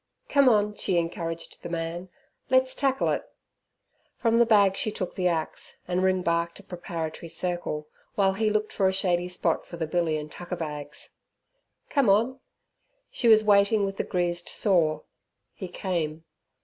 "Come on," she encouraged the man; "let's tackle it." From the bag she took the axe, and ring barked a preparatory circle, while he looked for a shady spot for the billy and tucker bags. "Come on." She was waiting with the greased saw. He came.